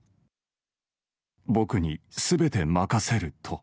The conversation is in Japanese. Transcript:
僕にすべて任せると。